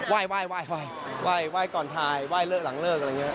ว่ายว่ายว่ายว่ายก่อนถ่ายว่ายเลิกหลังเลิกอะไรอย่างนี้